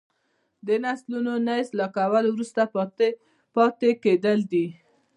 د نسلونو نه اصلاح کول وروسته پاتې کیدل دي.